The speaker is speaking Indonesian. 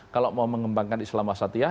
kalau mau mengembangkan islam wasatiyah